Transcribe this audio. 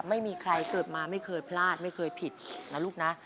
ไม่มีใครเกิดมาไม่เคยพลาดไม่เคยผิดนะลูกนะ